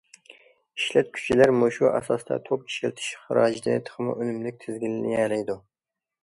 ئىشلەتكۈچىلەر مۇشۇ ئاساستا توك ئىشلىتىش خىراجىتىنى تېخىمۇ ئۈنۈملۈك تىزگىنلىيەلەيدۇ.